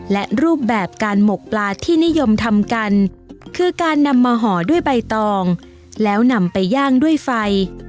และรูปแบบการหมกปลาที่นิยมทำกันคือการนำมาห่อด้วยใบตองแล้วนำไปย่างด้วยไฟ